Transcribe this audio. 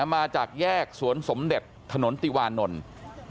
มาจากแยกสวนสมเด็จถนนติวานนท์